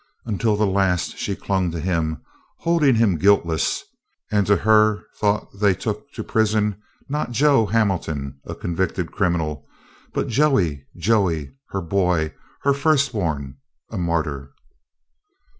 Until the last she clung to him, holding him guiltless, and to her thought they took to prison, not Joe Hamilton, a convicted criminal, but Joey, Joey, her boy, her firstborn, a martyr.